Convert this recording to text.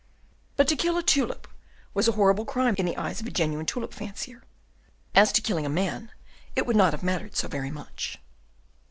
But to kill a tulip was a horrible crime in the eyes of a genuine tulip fancier; as to killing a man, it would not have mattered so very much.